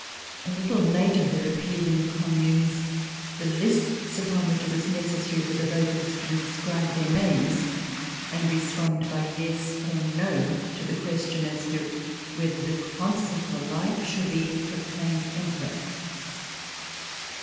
A little later there appeared in the communes the lists upon which it was necessary for the voters to inscribe their names and respond by "yes" or "no" to the question as to whether the Consul for Life should be proclaimed Emperor.